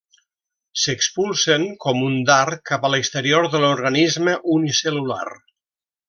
S'expulsen com un dard cap a l'exterior de l'organisme unicel·lular.